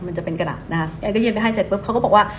พี่แอ่นสอบไปให้เขาปะว่า